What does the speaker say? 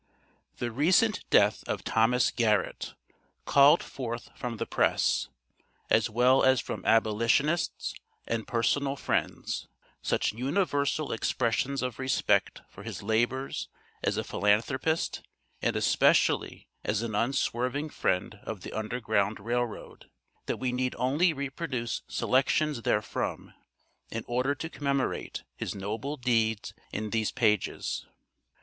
The recent death of Thomas Garrett, called forth from the press, as well as from abolitionists and personal friends, such universal expressions of respect for his labors as a philanthropist, and especially as an unswerving friend of the Underground Rail Road, that we need only reproduce selections therefrom, in order to commemorate his noble deeds in these pages.